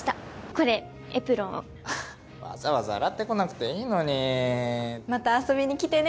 これエプロンをわざわざ洗ってこなくていいのにまた遊びに来てね